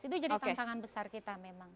itu jadi tantangan besar kita memang